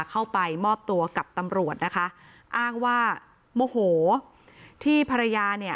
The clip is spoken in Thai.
เข้าไปมอบตัวกับตำรวจนะคะอ้างว่าโมโหที่ภรรยาเนี่ย